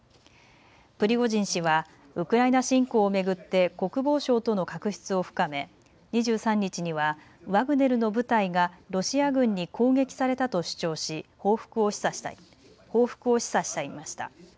プリゴジン氏はウクライナ侵攻を巡って国防省との確執を深め２３日にはワグネルの部隊がロシア軍に攻撃されたと主張し報復を示唆していました。